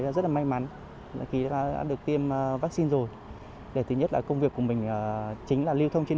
rất là may mắn khi đã được tiêm vaccine rồi để thứ nhất là công việc của mình chính là lưu thông trên